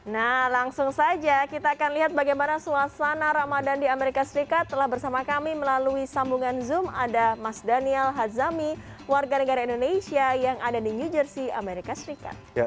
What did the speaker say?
nah langsung saja kita akan lihat bagaimana suasana ramadan di amerika serikat telah bersama kami melalui sambungan zoom ada mas daniel hazami warga negara indonesia yang ada di new jersey amerika serikat